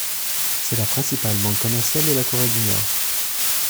C'est la principale banque commerciale de la Corée du Nord.